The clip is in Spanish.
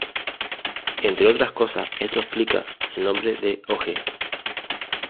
Entre otras cosas, esto explica el nombre de Og.